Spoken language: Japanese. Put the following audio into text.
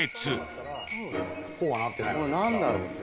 何だろうね